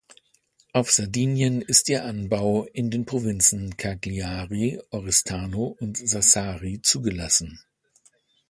Auf Sardinien ist ihr Anbau in den Provinzen Cagliari, Oristano und Sassari zugelassen.